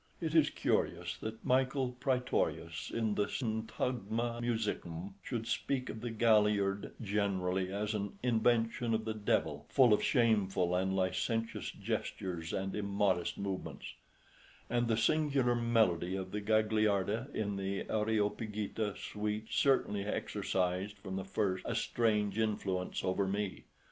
It is curious that Michael Prætorius in the "Syntagma musicum" should speak of the Galliard generally as an "invention of the devil, full of shameful and licentious gestures and immodest movements," and the singular melody of the Gagliarda in the "Areopagita" suite certainly exercised from the first a strange influence over me.